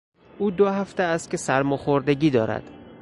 او دو هفته است که سرماخوردگی دارد.